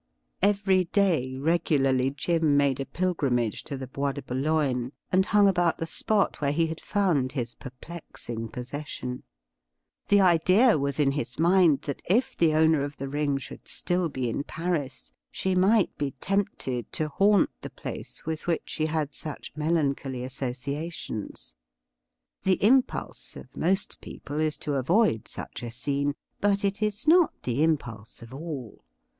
Every day regularly Jim made a pilgrimage to the Bois de Boulogne, and hung about the spot where he had found THE SLAVE OP THE RING 15 his perplexing possession. The idea was in his hiind that if the owner of the ring should still be in Paris she might be tempted to haunt the place with which she had such melancholy associations. The impulse of most people is to avoid such a scene — ^but it is not the impulse of all.